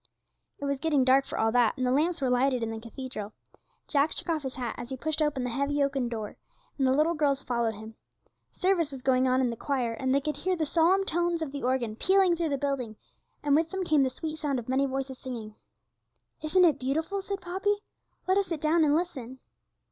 It was getting dark for all that, and the lamps were lighted in the cathedral. Jack took off his hat as he pushed open the heavy oaken door, and the little girls followed him. Service was going on in the choir, and they could hear the solemn tones of the organ pealing through the building, and with them came the sweet sound of many voices singing. 'Isn't it beautiful?' said Poppy; 'let us sit down and listen.'